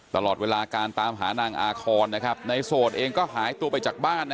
ตลอดเวลาการตามหานางอาคอนในโสดเองก็หายตัวไปจากบ้าน